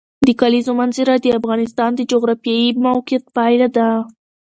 د کلیزو منظره د افغانستان د جغرافیایي موقیعت پایله ده.